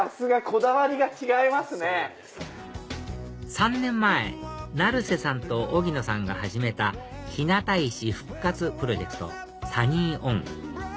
３年前成瀬さんと荻野さんが始めた日向石復活プロジェクトＳｕｎｎｙ